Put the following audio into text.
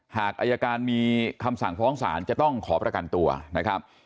หากอายการมีคำสั่งฟ้องศาลจะต้องขอประกันตัวนะครับ